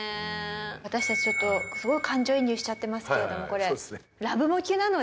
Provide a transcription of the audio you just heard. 私たちちょっとすごい感情移入しちゃってますけれどもこれラブモキュなので。